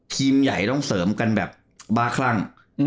ทีมใหญ่ต้องเสริมกันแบบบ้าคลั่ง